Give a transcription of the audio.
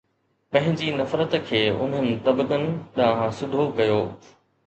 پنهنجي نفرت کي انهن طبقن ڏانهن سڌو ڪيو